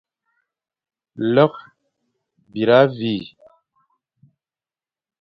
Lekh, bîra, vîe.